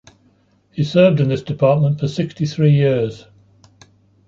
He served in this department sixty-three years.